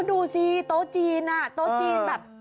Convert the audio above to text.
ดูซีโต๊ะจีนแบบ